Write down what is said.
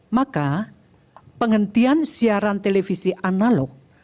maka penghentian siaran televisi analog